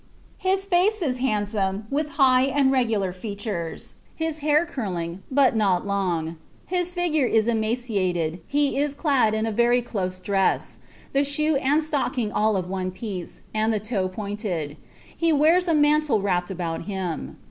His face is handsome, with high regular features, his hair curling, but not lung; his figure is eaiscn he is clad tn a ven' close dress, the shoe and slocking all of a pice*, tad the loe pointed: he wears a mantle wrapped about him.